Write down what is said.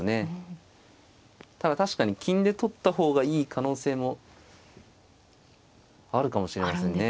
ただ確かに金で取った方がいい可能性もあるかもしれないですね。